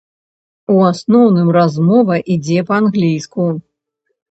У асноўным размова ідзе па-англійску.